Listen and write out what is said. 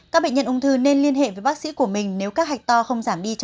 các bệnh nhân ung thư nên liên hệ với bác sĩ của mình nếu các hạch to không giảm đi